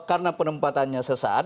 karena penempatannya sesat